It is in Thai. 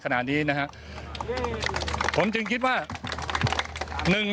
แม้ว่าเป็นเรื่องปีกย่อยนะครับ